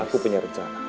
aku punya rencana